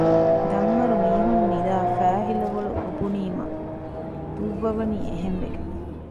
ދަންވަރު މީހުން ނިދައި ފައިހިލަވަޅު އޮބުނީމާ ދުއްވަވަނީ އެހެން ވެގެން